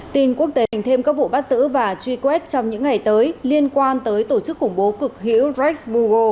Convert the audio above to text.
tin quốc tế hành thêm các vụ bắt giữ và truy quét trong những ngày tới liên quan tới tổ chức khủng bố cực hữu reichsburgo